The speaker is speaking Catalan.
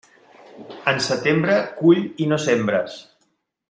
En setembre, cull i no sembres.